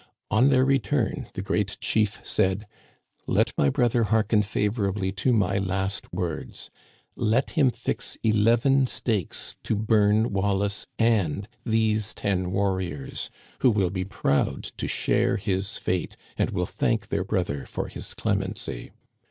On their return the great chief said :* Let my brother hearken favorably to my last words. Let him fix eleven stakes to bum Wallace and these ten warri ors, who will be proud to share his fate and will thank their brother for his clemency.'